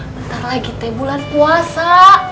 bentar lagi teh bulan puasa